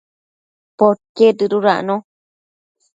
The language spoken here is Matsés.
Podquied dëdudacno